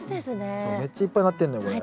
めっちゃいっぱいなってんのよこれ。